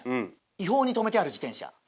違法に止めてある自転車。